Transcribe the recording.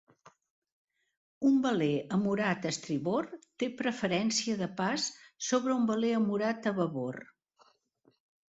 Un veler amurat a estribord té preferència de pas sobre un veler amurat a babord.